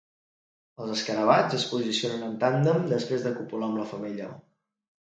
Els escarabats es posicionen en tàndem després de copular amb la femella.